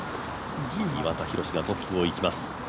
岩田寛がトップをいきます。